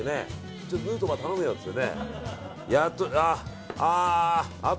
ちょっとヌートバー頼むよってってね。